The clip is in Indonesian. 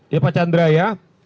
ya pak candra ya